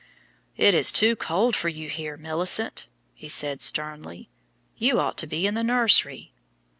"It is too cold for you here, Millicent," he said sternly; "you ought to be in the nursery."